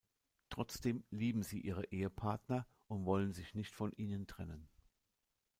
Trotzdem lieben sie ihre Ehepartner und wollen sich nicht von ihnen trennen.